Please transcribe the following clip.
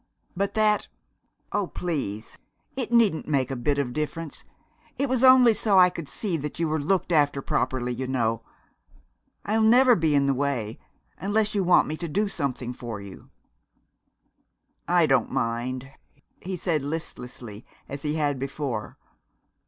But that oh, please, it needn't make a bit of difference. It was only so I could see that you were looked after properly, you know. I'll never be in the way, unless you want me to do something for you." "I don't mind," he said listlessly, as he had before....